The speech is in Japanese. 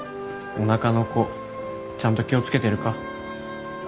おなかの子ちゃんと気を付けてるか？